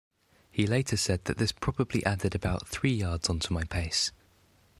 He later said that this probably added about three yards on to my pace.